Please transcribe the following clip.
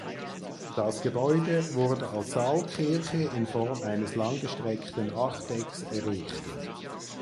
Das Gebäude wurde als Saalkirche in Form eines langgestreckten Achtecks errichtet.